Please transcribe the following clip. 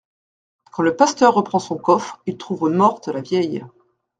Quand le pasteur reprend son coffre, il trouve morte la vieille.